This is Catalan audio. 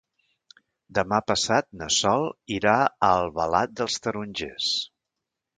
Demà passat na Sol irà a Albalat dels Tarongers.